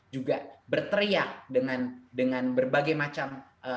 juga berteriak dengan berbagai macam